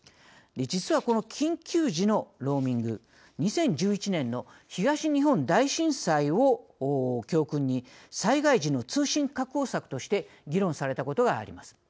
実は、この緊急時のローミング２０１１年の東日本大震災を教訓に災害時の通信確保策として議論されたことがあります。